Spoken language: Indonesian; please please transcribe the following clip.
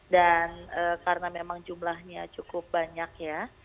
dan karena memang jumlahnya cukup banyak ya